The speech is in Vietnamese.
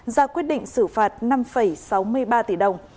ra quyết định xử phạt năm sáu mươi ba tỷ đồng